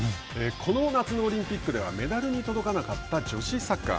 この夏のオリンピックではメダルに届かなかった女子サッカー。